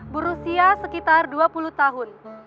buruh sia sekitar dua puluh tahun